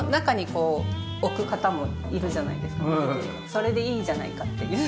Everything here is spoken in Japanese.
それでいいじゃないかっていう。